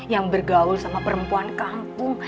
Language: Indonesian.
yang bergaul sama perempuan kampung